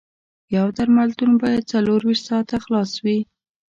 یو درملتون باید څلور ویشت ساعته خلاص وي